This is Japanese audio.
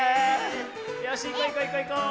よしいこういこういこう。